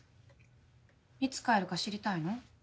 いつ帰るか知りたいの？